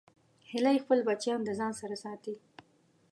هیلۍ خپل بچیان د ځان سره ساتي